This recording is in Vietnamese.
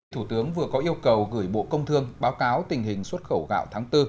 thủ tướng vừa có yêu cầu gửi bộ công thương báo cáo tình hình xuất khẩu gạo tháng bốn